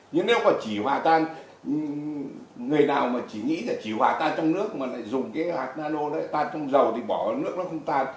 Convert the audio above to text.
nhưng nếu mà chỉ hòa tan người nào mà chỉ nghĩ là chỉ hòa tan trong nước mà lại dùng cái hạt nano đấy ta trong dầu thì bỏ nước đó không tan